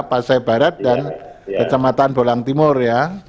pasai barat dan kecamatan bolang timur ya